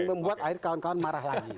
membuat air kawan kawan marah lagi